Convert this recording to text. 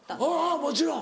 もちろん。